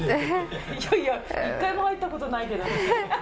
いやいや、一回も入ったことないけどって。